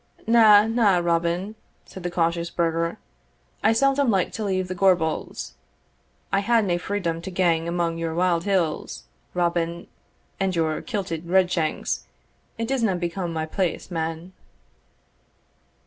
"Na, na, Robin," said the cautious burgher, "I seldom like to leave the Gorbals;* I have nae freedom to gang among your wild hills, Robin, and your kilted red shanks it disna become my place, man."